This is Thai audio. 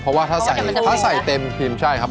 เพราะว่าถ้าใส่เต็มทีมใช่ครับ